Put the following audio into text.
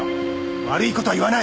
悪い事は言わない。